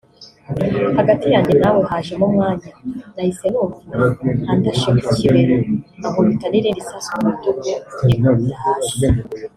Hagati yanjye nawe hajemo umwanya nahise numva andashe ku kibero ankubita n’irindi sasu ku rutugu nikubita hasi”